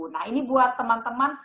nah ini buat teman teman